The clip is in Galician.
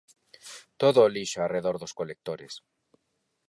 Todo o lixo arredor dos colectores...